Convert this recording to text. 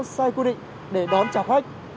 sai quy định để đón chào khách